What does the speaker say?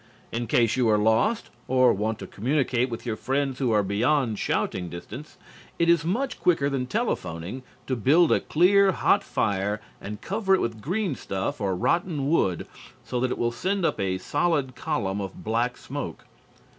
In case you are lost, or want to communicate with your friends who are beyond shouting distance, it is much quicker than telephoning to build a clear, hot fire and cover it with green stuff or rotten wood so that it will send up a solid column of black smoke.